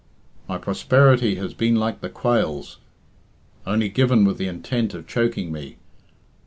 _ My prosperity has been like the quails, only given with the intent of choking me.